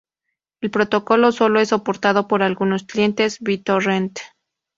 El protocolo solo es soportado por algunos clientes BitTorrent.